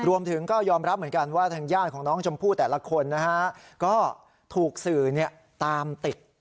รวมถึงก็ยอมรับเหมือนกันว่าทางญาติของน้องชมพู่แต่ละคนนะฮะก็ถูกสื่อตามติด